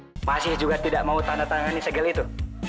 hai masih juga tidak mau tanda tangan segal itu